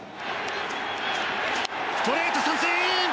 ストレート、三振！